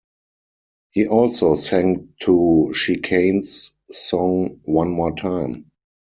He also sang to Chicane's song "One More Time".